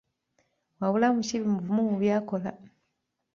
Wabula Mukiibi muvumu mu by’akola!